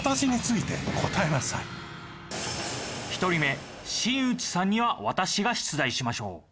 １人目新内さんには私が出題しましょう。